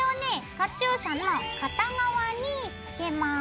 カチューシャの片側につけます。